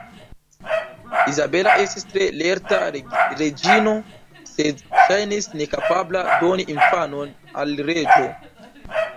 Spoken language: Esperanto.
Izabela estis tre lerta reĝino, sed ŝajnis nekapabla doni infanon al la reĝo.